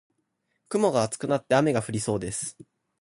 雲が厚くなって雨が降りそうです。